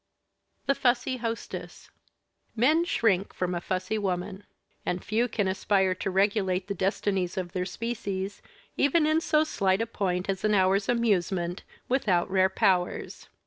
THE FUSSY HOSTESS Men shrink from a fussy woman. And few can aspire to regulate the destinies of their species, even in so slight a point as an hour's amusement, without rare powers.